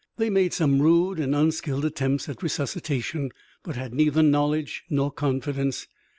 They made some rude and unskilled attempt at resuscitation, but had neither knowledge nor confidence.